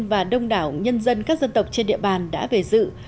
và đông đảo nhân dân các dân tộc trên địa bàn đã về dự